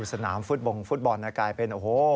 สนามฟุตบอลน่ะกลายเป็นโอ้โห